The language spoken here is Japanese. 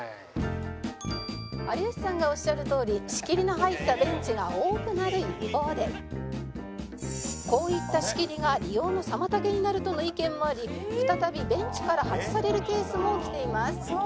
有吉さんがおっしゃるとおり仕切りの入ったベンチが多くなる一方でこういった仕切りが利用の妨げになるとの意見もあり再びベンチから外されるケースも起きています